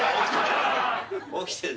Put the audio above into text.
起きてる。